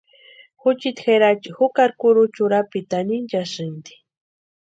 Juchiti Jerachi jukari kurucha urapiti anhinchasïnti.